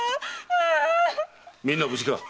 みんな無事か？